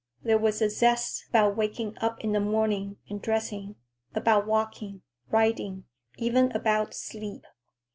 There was a zest about waking up in the morning and dressing, about walking, riding, even about sleep.